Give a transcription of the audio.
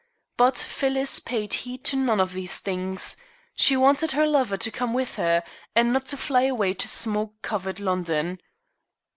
But Phyllis paid heed to none of these things. She wanted her lover to come with her, and not to fly away to smoke covered London.